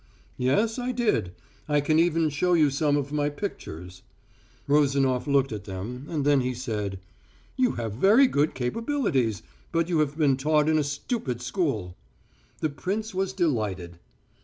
"Yes, I did. I can even show you some of my pictures." Rozanof looked at them, and then he said: "You have very good capabilities, but you have been taught in a stupid school." The prince was delighted.